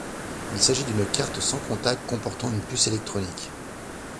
Il s'agit d'une carte sans contact comportant une puce électronique.